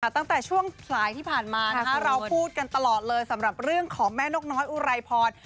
ตั้งแต่ช่วงสายที่ผ่านมาเราพูดกันตลอดเลยสำหรับเรื่องของแม่นกน้อยอุไรพร